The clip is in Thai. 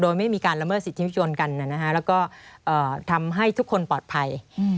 โดยไม่มีการละเมิดสิทธิมชนกันแล้วก็ทำให้ทุกคนปลอดภัย